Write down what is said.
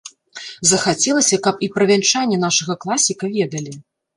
Захацелася, каб і пра вянчанне нашага класіка ведалі.